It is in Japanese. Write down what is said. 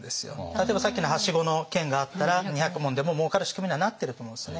例えばさっきのはしごの件があったら２００文でももうかる仕組みにはなってると思うんですね。